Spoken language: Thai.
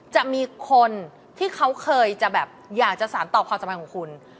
จะมีคนที่เขาเคยอยากสารตอบความสำคัญของคุณ